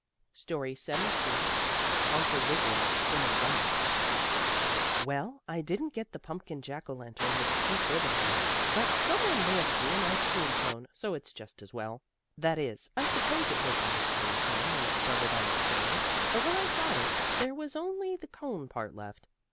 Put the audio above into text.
STORY XVII UNCLE WIGGILY IN A WELL Well, I didn't get the pumpkin Jack o' Lantern with the pink ribbon on, but some one mailed me an ice cream cone, so it's just as well. That is, I suppose it was an ice cream cone when it started on its journey, but when I got it there was only the cone part left.